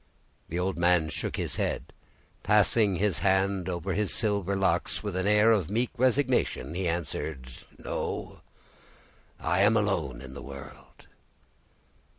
The old man shook his head, and, passing his hand over his silver locks, with an air of meek resignation, he answered,— "No; I am alone in the world!"